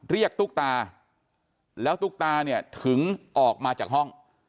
ตุ๊กตาแล้วตุ๊กตาเนี่ยถึงออกมาจากห้อง